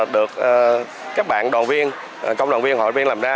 được các bạn đoàn viên công đoàn viên hội viên làm ra